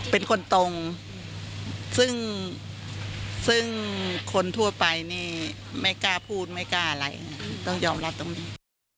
เป็นคนตรงซึ่งคนทั่วไปนี่ไม่กล้าพูดไม่กล้าอะไรต้องยอมรับตรงนี้